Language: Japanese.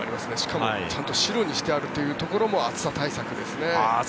しかも、ちゃんと白にしてあるところも暑さ対策ですね。